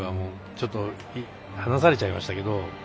ちょっと離されちゃいましたけど。